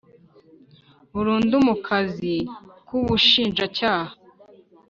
burundu mu kazi k Ubushinjacyaha